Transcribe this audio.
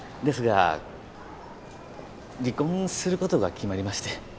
ですが離婚することが決まりまして。